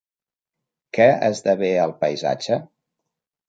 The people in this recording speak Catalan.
Què esdevé el paisatge?